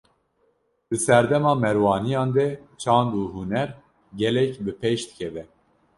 Di serdema Merwaniyan de çand û huner, gelek bi pêş dikeve